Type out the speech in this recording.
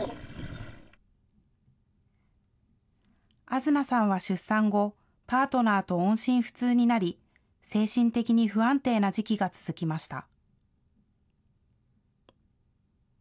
あづなさんは出産後、パートナーと音信不通になり、精神的に不安定な時期が続きました。